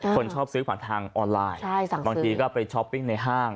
คนชอบซื้อผ่านทางออนไลน์บางทีก็ไปช้อปปิ้งในห้าง